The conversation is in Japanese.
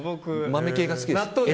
豆系が好きです。